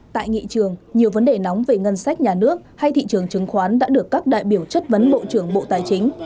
tại nghị trường nhiều vấn đề nóng về ngân sách nhà nước hay thị trường chứng khoán đã được các đại biểu chất vấn bộ trưởng bộ tài chính